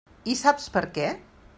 I saps per què?